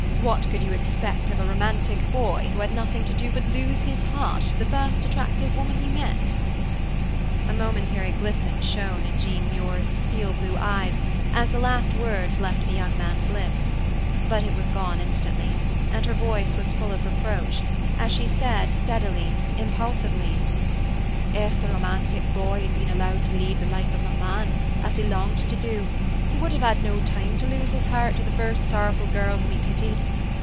What could you expect of a romantic boy who had nothing to do but lose his heart to the first attractive woman he met?" A momentary glisten shone in Jean Muir's steel blue eyes as the last words left the young man's lips; but it was gone instantly, and her voice was full of reproach, as she said, steadily, impulsively, "If the 'romantic boy' had been allowed to lead the life of a man, as he longed to do, he would have had no time to lose his heart to the first sorrowful girl whom he pitied.